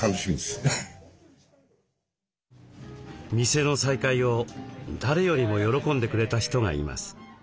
店の再開を誰よりも喜んでくれた人がいます。